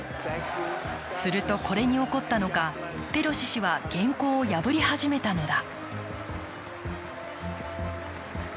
するとこれに怒ったのかペロシ氏は原稿を破り始めたのだ。